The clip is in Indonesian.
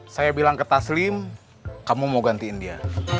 saya bilang ke taslim kamu mau gantiin dia